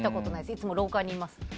いつも廊下にいます。